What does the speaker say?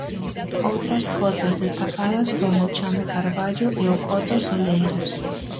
Outras cotas destacadas son o Chan de Carballo e o Coto Soleiras.